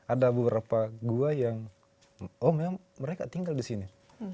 ada beberapa gua yang oh memang mereka tinggal di sini